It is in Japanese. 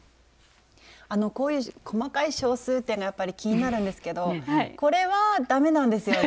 こういう細かい小数点がやっぱり気になるんですけどこれはダメなんですよね？